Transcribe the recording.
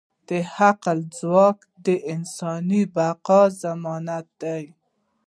د عقل ځواک د انساني بقا ضمانت دی.